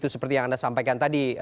seperti yang anda sampaikan tadi